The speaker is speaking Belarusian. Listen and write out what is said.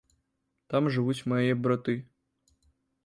Там жывуць мае браты.